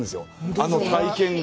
あの体験が。